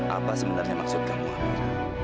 apa sebenarnya maksud kamu hadir